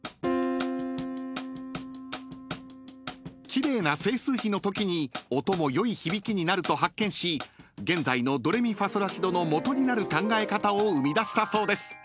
［奇麗な整数比のときに音も良い響きになると発見し現在のドレミファソラシドの基になる考え方を生み出したそうです。